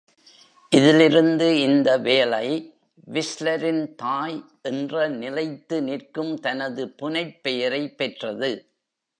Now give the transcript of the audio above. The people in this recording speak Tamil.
இதிலிருந்து இந்த வேலை “விஸ்லரின் தாய்” என்ற நிலைத்து நிற்கும் தனது புனைப்பெயரைப் பெற்றது.